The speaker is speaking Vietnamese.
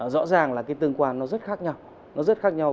rõ ràng là tương quan nó rất khác nhau